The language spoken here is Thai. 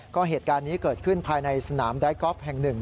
ก็เหตุการณ์นี้เกิดขึ้นภายในสนามไดกอล์ฟแห่งหนึ่ง